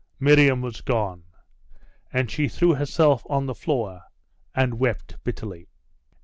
Miriam was gone; and she threw herself on the floor, and wept bitterly.